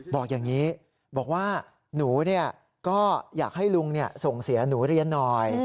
บอกอย่างนี้บอกว่าหนูก็อยากให้ลุงส่งเสียหนูเรียนหน่อย